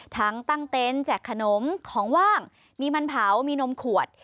ทั้งตั้งเต็นต์แจกขนมของว่างมีมันเผามีนมขวด